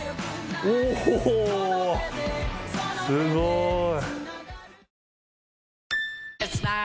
おすごい。